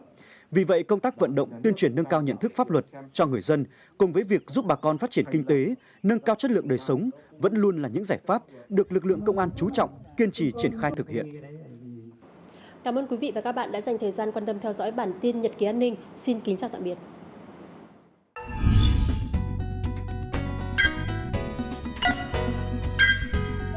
cảm ơn các bạn đã theo dõi và ủng hộ cho bản tin nhật ký an ninh xin kính chào tạm biệt